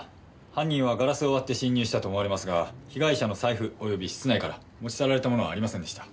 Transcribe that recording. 犯人はガラスを割って侵入したと思われますが被害者の財布及び室内から持ち去られた物はありませんでした。